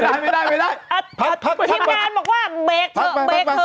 ทีมงานบอกว่าเบรกเถอะ